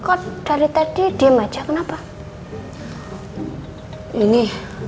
kok dari tadi dia meja kenapa ini